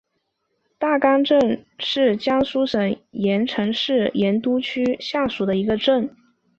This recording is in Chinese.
大冈镇是江苏省盐城市盐都区下属的一个镇。